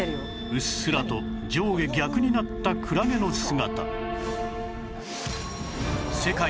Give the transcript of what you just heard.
うっすらと上下逆になったクラゲの姿